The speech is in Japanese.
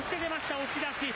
押し出し。